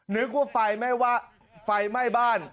นึกว่าไฟไหม้ว่าไฟไหม้บ้าน